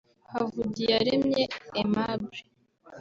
Havugiyaremye Aimable